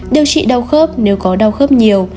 điều trị đau khớp nếu có đau khớp nhiều